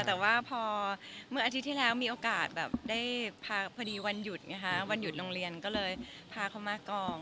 แต่ว่าพอเมื่ออาทิตย์ที่แล้วมีโอกาสแบบได้พาพอดีวันหยุดไงคะวันหยุดโรงเรียนก็เลยพาเขามากอง